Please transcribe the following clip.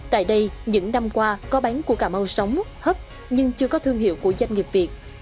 tại đây những năm qua có bán cua cà mau sống hấp nhưng chưa có thương hiệu của doanh nghiệp việt